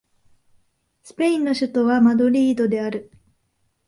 スペインの首都はマドリードである